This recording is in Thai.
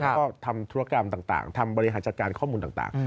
แล้วก็ทำธุรกรรมต่างทำบริหารจัดการข้อมูลต่าง